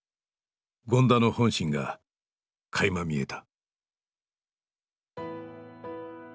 権田の本心がかいま見えた。